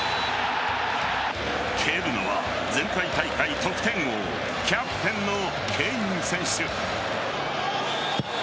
蹴るのは前回大会得点王キャプテンのケイン選手。